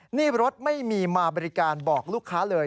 หนี้รถไม่มีมาบริการบอกลูกค้าเลย